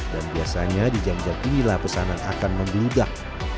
dan biasanya di jam jam inilah pesanan akan menggeludak